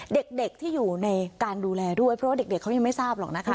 เด็กที่อยู่ในการดูแลด้วยเพราะว่าเด็กเขายังไม่ทราบหรอกนะคะ